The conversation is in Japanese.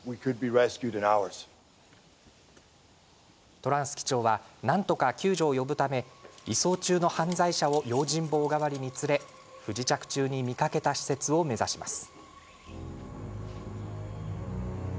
トランス機長はなんとか救助を呼ぶため移送中の犯罪者を用心棒代わりに連れ不時着中に見かけた施設を目指します。